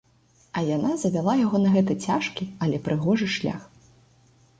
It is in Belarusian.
А яна завяла яго на гэты цяжкі, але прыгожы шлях.